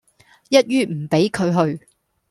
一於唔畀佢去